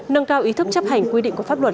nâng cao ý thức chấp hành quy định của pháp luật